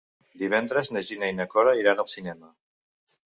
Divendres na Gina i na Cora iran al cinema.